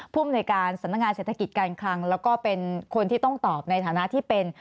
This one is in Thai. ภูมิในการสำนักงานเศรษฐกิจการคลังแล้วก็เป็นคนที่ต้องตอบในฐานะที่เป็น